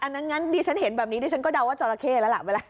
งั้นฉันเห็นแบบนี้แล้วฉันก็เดาว่าจอราเค่ละ